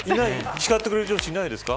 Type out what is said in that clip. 叱ってくれる上司いないですか。